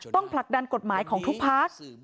ต้องผลักดันกฎหมายของทุกภาพ